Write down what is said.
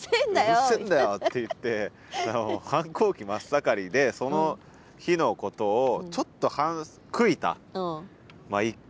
「うるせえんだよ！」って言って反抗期真っ盛りでその日のことをちょっと悔いた一句。